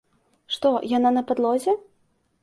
Што, яна на падлозе?